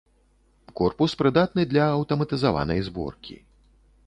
Корпус прыдатны для аўтаматызаванай зборкі.